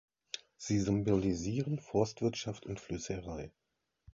Sie symbolisieren Forstwirtschaft und Flößerei.